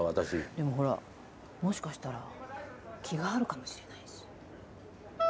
でもほらもしかしたら気があるかもしれないし。